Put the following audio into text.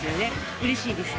うれしいです。